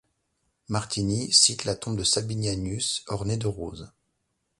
Martigny cite la tombe de Sabinianus, ornée de roses.